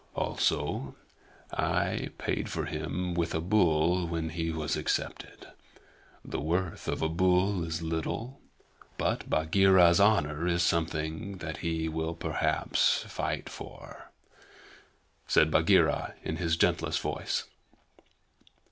"Also, I paid for him with a bull when he was accepted. The worth of a bull is little, but Bagheera's honor is something that he will perhaps fight for," said Bagheera in his gentlest voice.